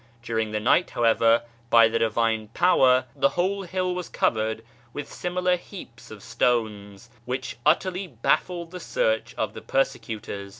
During the night, however, by the Divine Power, tlie whole hill was covered with similar heaps of stones, which utterly baffled the search of the per secutors.